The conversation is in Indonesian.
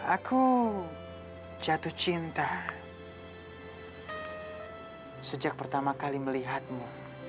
aku jatuh cinta sejak pertama kali melihatmu